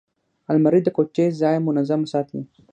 الماري د کوټې ځای منظمه ساتي